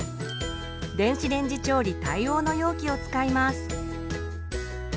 電子レンジ調理対応の容器を使います。